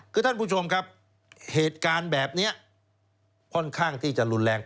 คือท่านผู้ชมครับเหตุการณ์แบบนี้ค่อนข้างที่จะรุนแรง